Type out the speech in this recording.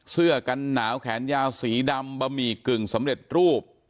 เสื้อกันหนาวแขนยาวสีดำบะหมี่กึ่งสำเร็จรูป